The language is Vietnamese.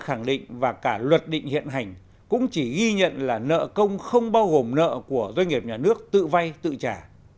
khẳng định và cả luật định hiện hành cũng chỉ ghi nhận là nợ công không bao gồm nợ của doanh nghiệp nhà nước tự vay tự trả